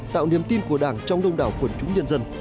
tạo niềm tin của đảng trong đông đảo quần chúng nhân dân